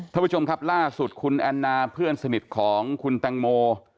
ท่านผู้ชมครับล่าสุดคุณแอนนาเพื่อนสนิทของคุณแตงโม